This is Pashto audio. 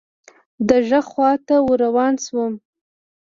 د ږغ خواته ور روان شوم .